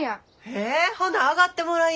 へえほな上がってもらい。